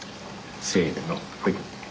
せのほい。